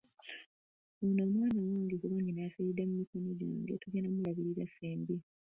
Ono omwana wange kuba nnyina yafiiridde mu mikono gyange, tugenda kumulabirira ffembi.